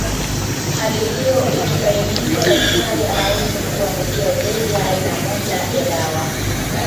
Hali hiyo ikibainika daktari anaweza kukuandikia zaidi ya aina moja ya dawa